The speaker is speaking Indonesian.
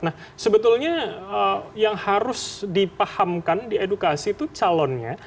nah sebetulnya yang harus dipahamkan di edukasi itu calonnya